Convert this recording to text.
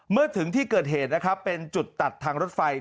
เมื่อถึงที่เกิดเหตุนะครับเป็นจุดตัดทางรถไฟ